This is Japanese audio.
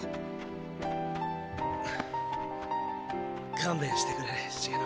勘弁してくれ茂野。